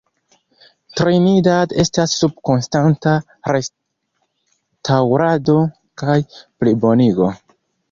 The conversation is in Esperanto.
Trinidad estas sub konstanta restaŭrado kaj plibonigo.